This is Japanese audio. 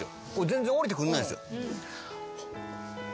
全然降りてくんないんですよ。